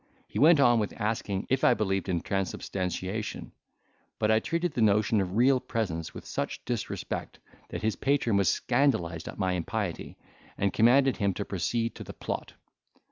He went on with asking, if I believed in transubstantiation; but I treated the notion of real presence with such disrespect, that his patron was scandalised at my impiety, and commanded him to proceed to the plot.